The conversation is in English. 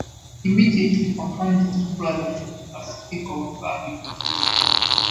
He immediately confirmed his brother Philip as Duke of Burgundy.